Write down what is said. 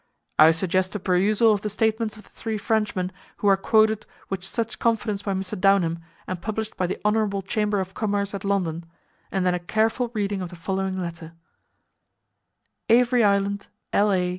I suggest a perusal of the statements of the three Frenchmen who are quoted with such confidence by Mr. Downham and published by the Hon. Chamber of Commerce at London, and then a careful reading of the following letter: Avery Island, La.